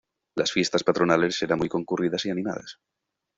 Las fiestas patronales eran muy concurridas y animadas.